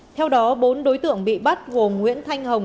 theo đó bốn đối tượng bị bắt gồm nguyễn thanh hồng